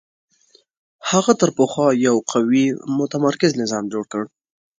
هغه تر پخوا یو قوي متمرکز نظام جوړ کړ